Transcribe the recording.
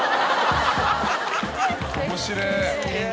おもしれぇ。